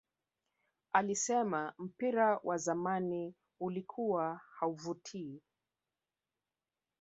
Alisema mpira wa zamani ulikuwa hauvutii